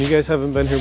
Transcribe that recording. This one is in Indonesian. kamu belum ke sini kan